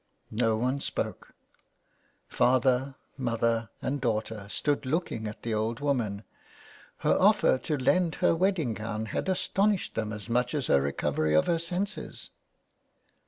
No one spoke ; father, mother, and daughter stood looking at the old woman. Her offer to lend her wedding gown had astonished them as much as her recovery of her senses.